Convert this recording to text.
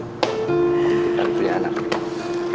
kali ini punya anaknya